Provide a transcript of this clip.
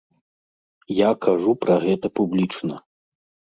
Я кажу пра гэта публічна.